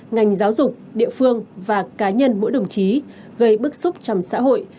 ngành giáo dục địa phương và cá nhân mỗi đồng chí gây bức xúc trong xã hội